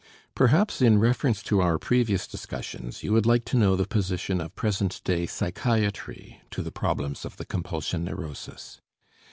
Perhaps in reference to our previous discussions, you would like to know the position of present day psychiatry to the problems of the compulsion neurosis.